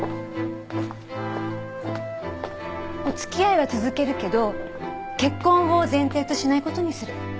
お付き合いは続けるけど結婚を前提としない事にする。